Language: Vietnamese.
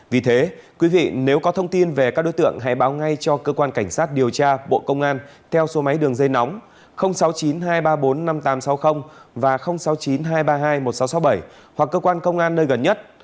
vì thế quý vị nếu có thông tin về các đối tượng hãy báo ngay cho cơ quan cảnh sát điều tra bộ công an theo số máy đường dây nóng sáu mươi chín hai trăm ba mươi bốn năm nghìn tám trăm sáu mươi và sáu mươi chín hai trăm ba mươi hai một nghìn sáu trăm sáu mươi bảy hoặc cơ quan công an nơi gần nhất